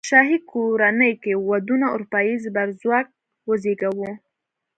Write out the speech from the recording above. شاهي کورنۍ کې ودونو اروپايي زبرځواک وزېږاوه.